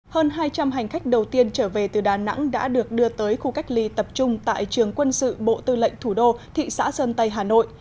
hơn hai trăm linh hành khách đầu tiên trở về từ đà nẵng đã được đưa tới khu cách ly tập trung tại trường quân sự bộ tư lệnh thủ đô thị xã sơn tây hà nội